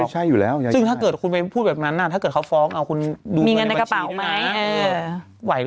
ไหวรึเปล่าอะไรอย่างนี้